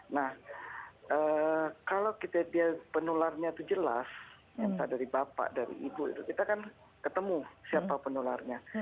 nah kalau penularnya itu jelas dari bapak dari ibu kita kan ketemu siapa penularnya